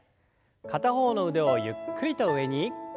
片方の腕をゆっくりと上に。